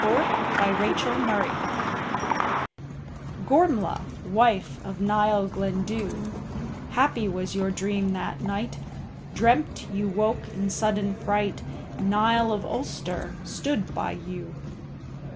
DEATH OF GORMLAITH Gormlaith, wife of Niall Glendu, Happy was your dream that night, Dreamt you woke in sudden fright, Niall of Ulster stood by you.